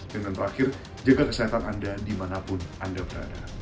dan yang terakhir jaga kesehatan anda dimanapun anda berada